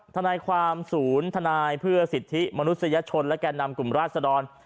ทนายความศูนย์ทนายเพื่อสิทธิมนุษยชนและแก่นำกลุ่มราชดร